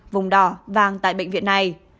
vùng đỏ vàng tại bệnh viện này